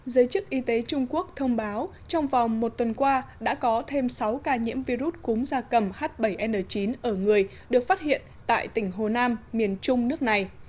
giới chức y tế trung quốc thông báo trong vòng một tuần qua đã có thêm sáu ca nhiễm virus cúm da cầm h bảy n chín ở người được phát hiện tại tỉnh hồ nam miền trung nước này